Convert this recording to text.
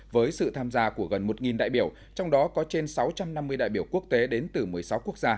với sự tham gia của gần một đại biểu trong đó có trên sáu trăm năm mươi đại biểu quốc tế đến từ một mươi sáu quốc gia